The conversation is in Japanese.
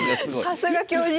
さすが教授！